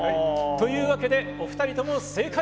というわけでお二人とも正解！